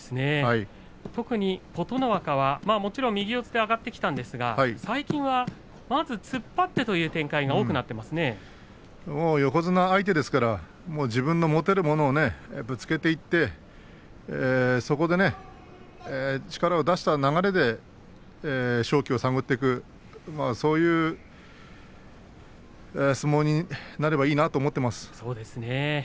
特に琴ノ若は右四つで上がってきたんですが最近はまず突っ張ってという展開が多く横綱相手ですから自分の持っているものをぶつけていってそこで力を出して流れで勝機を探っていくそういう相撲になればいいなと思っています。